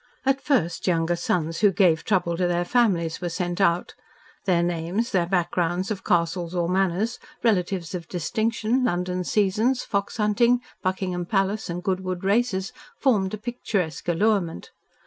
At first younger sons, who "gave trouble" to their families, were sent out. Their names, their backgrounds of castles or manors, relatives of distinction, London seasons, fox hunting, Buckingham Palace and Goodwood Races, formed a picturesque allurement.